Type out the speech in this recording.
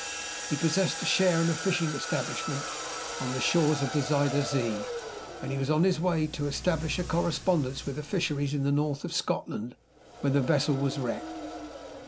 He possessed a share in a fishing establishment on the shores of the Zuyder Zee; and he was on his way to establish a correspondence with the fisheries in the North of Scotland when the vessel was wrecked.